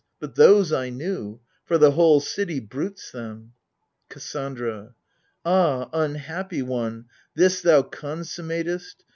But. those I knew : for the whole city bruits them. KASSANDRA. Ah, unhappy one, this thou consummatest